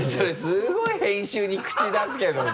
すごい編集に口出すけどさ。